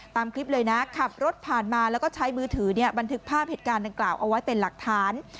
ตามคลิปเลยนะขับรถผ่านมาแล้วก็ใช้มือถือบันทึกภาพเหตุการณ์ดังกล่าวเอาไว้เป็นหลักฐาน